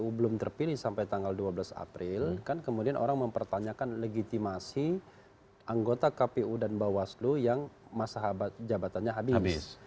kpu belum terpilih sampai tanggal dua belas april kan kemudian orang mempertanyakan legitimasi anggota kpu dan bawaslu yang masa jabatannya habis